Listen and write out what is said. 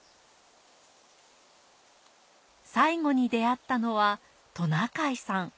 最後に出会ったのはトナカイさん。